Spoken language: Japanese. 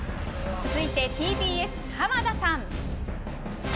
続いてＴＢＳ、浜田さん。